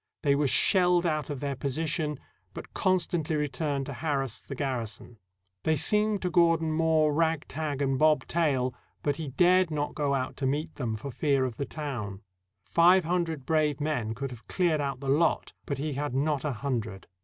They were shelled out of their position, but constantly re turned to harass the garrison. They seemed to Gordon mere rag tag and bob tail, but he dared not go out to meet them, for fear of the town. Five hundred brave men could have cleared out the lot, but he had not a hundred.